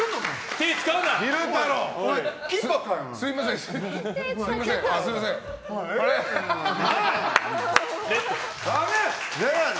手を使うな！